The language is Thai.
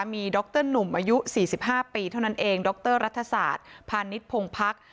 ดรหนุ่มอายุ๔๕ปีเท่านั้นเองดรรัฐศาสตร์พาณิชย์พงพัก